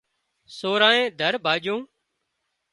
سورانئي ڌر ڀاڄون